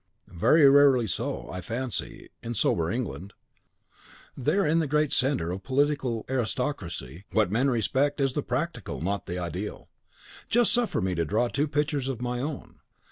"Very rarely so, I fancy, in sober England. There in the great centre of political aristocracy, what men respect is the practical, not the ideal. Just suffer me to draw two pictures of my own.